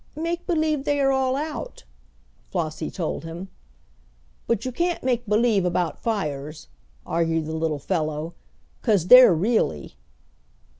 "Make b'lieve they are all out," Flossie told him. "But you can't make b'lieve about fires," argued the little fellow, "'cause they're really."